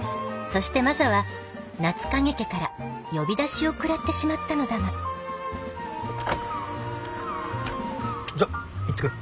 そしてマサは夏影家から呼び出しを食らってしまったのだがじゃ行ってくる。